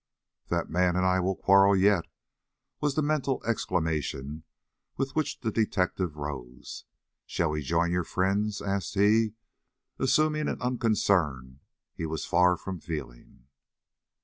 "That man and I will quarrel yet," was the mental exclamation with which the detective rose. "Shall we join your friends?" asked he, assuming an unconcern he was far from feeling.